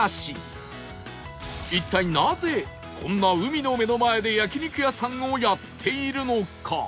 一体なぜこんな海の目の前で焼肉屋さんをやっているのか？